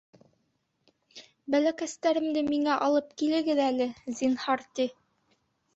Бәләкәстәремде миңә алып килегеҙ әле, зинһар, ти.